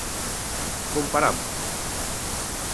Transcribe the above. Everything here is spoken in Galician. ¡Comparamos!